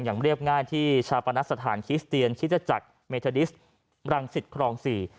อย่างเรียบง่ายที่ชาปนาสถานคริสเตียนขิตตระจักรเมธดิสต์รังสิทธิ์ครองสี่